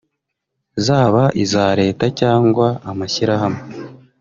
zaba iza Leta cyangwa amashyirahamwe